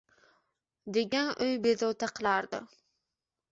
degan o‘y bezovta qilardi.